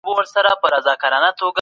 د ترافیکي اصولو مراعات وکړئ.